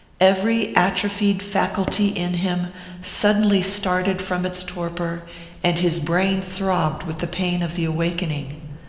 Every atrophied faculty in him suddenly started from its torpor, and his brain throbbed with the pain of the awakening....